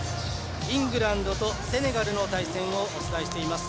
イングランドとセネガルの対戦をお伝えしています。